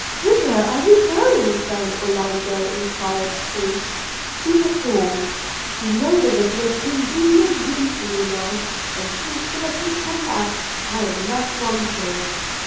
'Whither are you going, then, Orlando?' enquired she. 'To the Hall – You know there is no convenient room for me now; and since Philip is come back, I am less wanted.'